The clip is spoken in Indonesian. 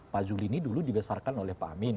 pak zul ini dulu dibesarkan oleh pak amin